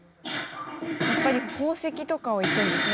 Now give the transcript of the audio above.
やっぱり宝石とかをいくんですね。